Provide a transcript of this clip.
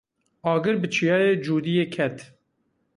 Agir bi Çiyayê Cûdiyê ket.